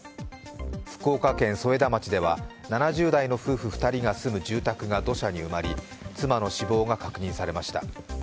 福岡県添田町では７０代の夫婦２人が住む住宅が土砂に埋まり妻の死亡が確認されました。